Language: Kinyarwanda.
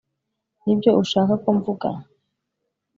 Nibyo ushaka ko mvuga